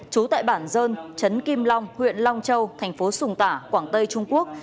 trú tại bản dơn trấn kim long huyện long châu thành phố sùng tả quảng tây trung quốc